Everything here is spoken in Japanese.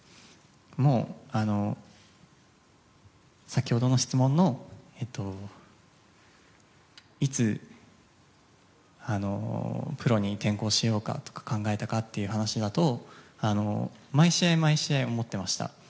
先ほどの質問のいつプロに転向しようかと考えたかという話だと毎試合、毎試合思っていました。